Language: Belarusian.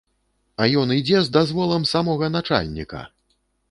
А ён ідзе з дазволам самога начальніка!